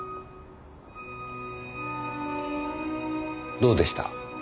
どうでした？